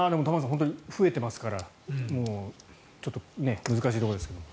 本当に増えていますからちょっと難しいところですが。